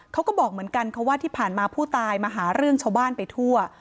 เขาก็บอกเหมือนกันค่ะว่าที่ผ่านมาผู้ตายมาหาเรื่องชาวบ้านไปทั่ว